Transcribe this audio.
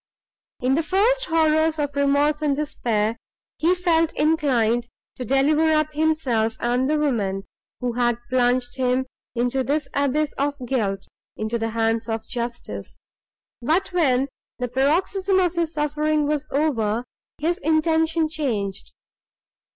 In the first horrors of remorse and despair, he felt inclined to deliver up himself and the woman, who had plunged him into this abyss of guilt, into the hands of justice; but, when the paroxysm of his suffering was over, his intention changed.